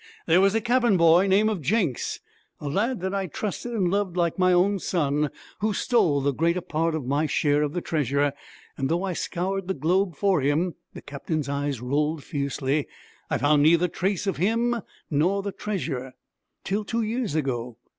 There was a cabin boy, name of Jenks, a lad that I trusted and loved like my own son, who stole the greater part of my share of the treasure, and though I scoured the globe for him,' the captain's eyes rolled fiercely, 'I found neither trace of him nor the treasure, till two years ago.